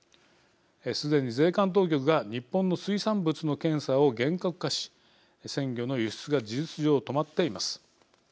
すでに税関当局が日本の水産物の検査を厳格化し鮮魚の輸出が事実上、止まっています。